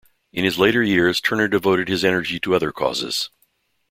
In his later years, Turner devoted his energy to other causes.